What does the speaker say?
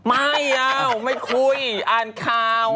ไม่เอาไม่คุยอ่านข่าว